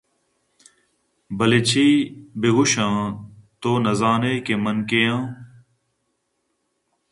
بلئے چے بہ گوٛشاں تو نہ زانئے کہ من کئے آں